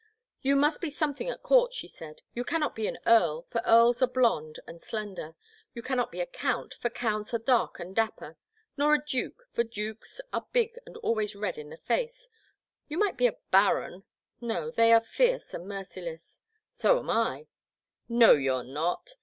You must be something at court,*' she said, you cannot be an earl, for earls are blond and slender ; you cannot be a count, for counts are dark and dapper ; nor a duke, for dukes are big and always red in the face; you might be a baron — ^no, they are fierce and merciless "*^ So am I." '*No you 're not.